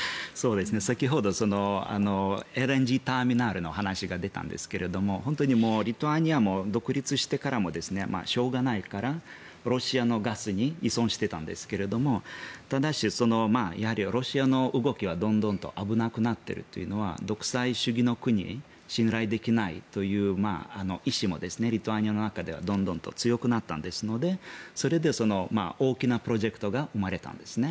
先ほどＬＮＧターミナルの話が出たんですが本当にリトアニアも独立してからもしょうがないからロシアのガスに依存していたんですけれどもただし、ロシアの動きはどんどんと危なくなっているというのは独裁主義の国信頼できないという意思もリトアニアの中ではどんどん強くなりましたのでそれでその大きなプロジェクトが生まれたんですね。